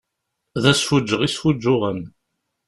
D asfuǧǧeɣ i sfuǧǧuɣen.